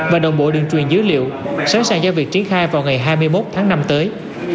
và đồng bộ đường truyền dữ liệu sẵn sàng do việc triển khai vào ngày hai mươi một tháng năm tới